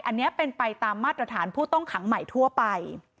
อันนี้เป็นไปตามมาตรฐานผู้ต้องขังใหม่ทั่วไป